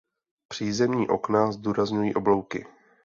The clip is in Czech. Přízemní okna zdůrazňují oblouky.